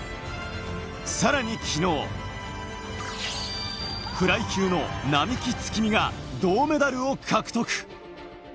さらに昨日、フライ級の並木月海が、銅メダルを獲得。